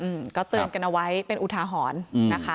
เมื่อวานก็ซึมเลยเมื่อวานไม่ลุกเลยแต่วันนี้วิ่งได้เดินได้เดินตามตลอด